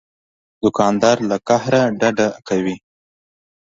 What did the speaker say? دوکاندار له قهره ډډه کوي.